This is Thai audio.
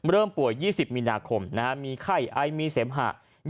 เริ่มป่วย๒๐มีนาคมมีไข้ไอมีเสมหะ